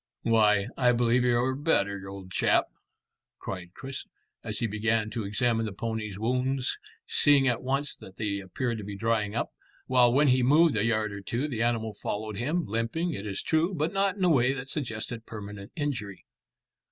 "Why, I believe you're better, old chap," cried Chris, as he began to examine the pony's wounds, seeing at once that they appeared to be drying up, while when he moved a yard or two the animal followed him, limping, it is true, but not in a way that suggested permanent injury.